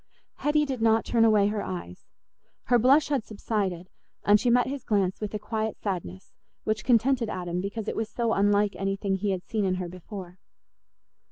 Hetty did not turn away her eyes; her blush had subsided, and she met his glance with a quiet sadness, which contented Adam because it was so unlike anything he had seen in her before.